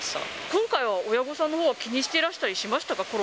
今回は、親御さんのほうは気にしてらしたりしてましたか？